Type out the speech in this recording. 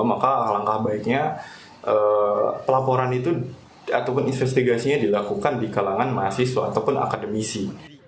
maka langkah baiknya pelaporan itu ataupun investigasinya dilakukan di kalangan mahasiswa ataupun akademisi